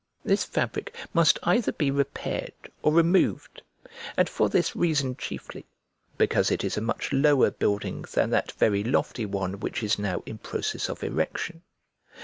This fabric must either be repaired or removed, and for this reason chiefly, because it is a much lower building than that very lofty one which is now in process of erection.